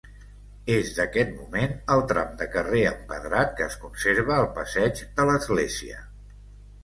És d'aquest moment el tram de carrer empedrat que es conserva al passeig de l'Església.